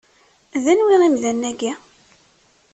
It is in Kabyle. D anwi imdanen-agi?